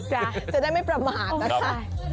จะได้ไม่ประมาทนะคะ